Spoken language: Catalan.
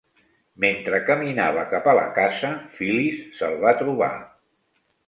Mentre caminava cap a la casa, Phyllis se'l va trobar.